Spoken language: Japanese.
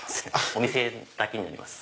お店だけになります。